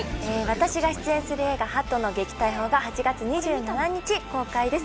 私が出演する映画『鳩の撃退法』が８月２７日公開です。